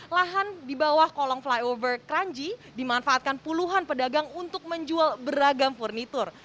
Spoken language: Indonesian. lahan di bawah kolong flyover kranji dimanfaatkan puluhan pedagang untuk menjual beragam furnitur